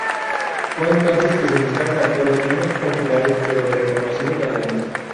Fue entonces que se buscaron actores menos populares pero de reconocido talento.